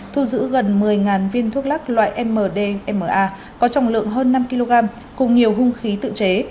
thu giữ gần một mươi viên thuốc lắc loại mdma có trọng lượng hơn năm kg cùng nhiều hung khí tự chế